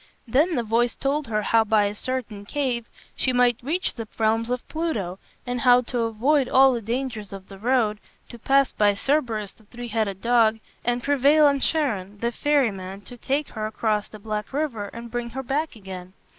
Then the voice told her how by a certain cave she might reach the realms of Pluto, and how to avoid all the dangers of the road, to pass by Cerberus, the three headed dog, and prevail on Charon, the ferryman, to take her across the black river and bring her back again.